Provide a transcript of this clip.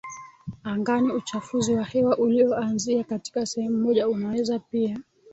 angani uchafuzi wa hewa ulioanzia katika sehemu moja unaweza pia